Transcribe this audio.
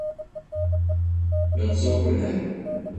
Йонсоу күренәһең.